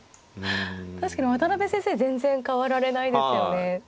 確かに渡辺先生全然変わられないですよね。